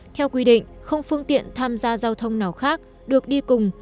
theo quy định không phương tiện tham gia giao thông nào khác được đi cùng